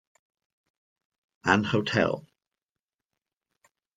An hotel.